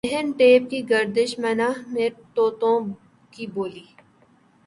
ذہن ٹیپ کی گردش منہ میں طوطوں کی بولی